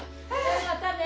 またね。